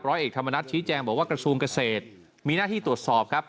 เอกธรรมนัฐชี้แจงบอกว่ากระทรวงเกษตรมีหน้าที่ตรวจสอบครับ